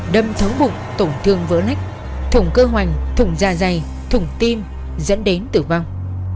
đâm thấu bụng tổn thương vỡ nách thủng cơ hoành thủng da dày thủng tim dẫn đến tử vong